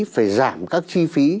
phải giảm các chi phí